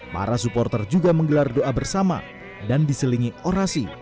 para supporter juga menggelar doa bersama dan diselingi orasi